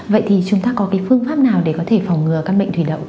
vậy thì chúng ta có cái phương pháp nào để có thể phòng ngừa căn bệnh thủy đậu